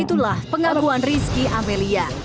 itulah pengakuan rizki amelia